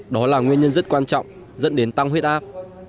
đó là nguyên nhân rất quan trọng dẫn đến tăng huyết áp